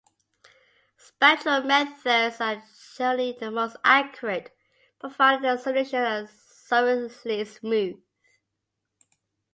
Spectral methods are generally the most accurate, provided that the solutions are sufficiently smooth.